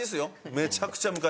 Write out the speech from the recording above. めちゃくちゃ昔。